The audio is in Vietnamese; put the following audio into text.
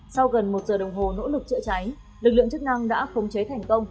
sau gần một giờ đồng hồ nỗ lực chữa cháy lực lượng chức năng đã khống chế thành công